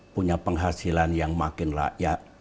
punya penghasilan yang makin layak